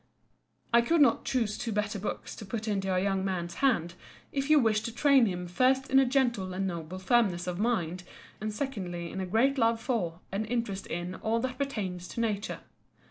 I could not choose two better books to put into a young man's hands if you wished to train him first in a gentle and noble firmness of mind, and secondly in a great love for and interest in all that pertains to Nature.